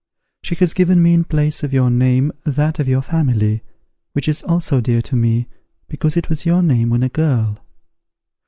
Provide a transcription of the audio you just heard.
She has given me in place of your name that of your family, which is also dear to me, because it was your name when a girl.